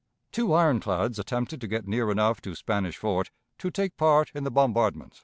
Two ironclads attempted to get near enough to Spanish Fort to take part in the bombardment.